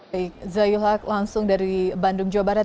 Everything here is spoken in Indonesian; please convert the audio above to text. baik zayul haq langsung dari bandung jawa barat